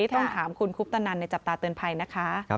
ต้องถามคุณคุปตนันในจับตาเตือนภัยนะคะ